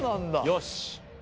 よし！